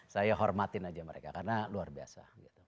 saya hormatin aja mereka karena luar biasa